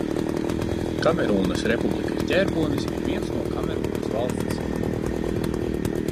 Kamerūnas Republikas ģerbonis ir viens no Kamerūnas valsts simboliem.